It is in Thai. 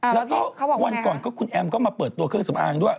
เขาบอกว่าไงครับแล้วก็วันก่อนคุณแอ้มก็มาเปิดตัวเครื่องสำอางด้วย